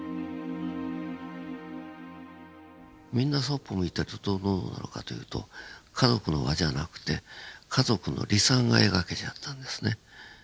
みんなそっぽ向いてるとどうなるかというと家族の輪じゃなくて家族の離散が描けちゃったんですね。